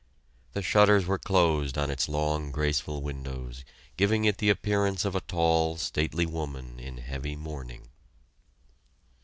The shutters were closed on its long, graceful windows, giving it the appearance of a tall, stately woman in heavy mourning.